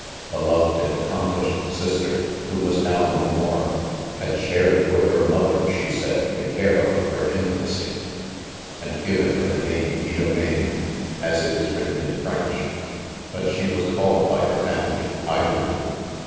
A loved and accomplish ed sister, 'who was now no more, had shared with her mother, she [ aid, the care of her in infancy, end given her the name Idomine^Bs it is writ ten in French hul "whe was called in aG IDOMEN. ,,? her family Idomen.